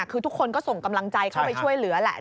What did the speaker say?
คือทุกคนก็ส่งกำลังใจเข้าไปช่วยเหลือแหละ